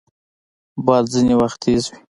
باد ځینې وخت تیز وي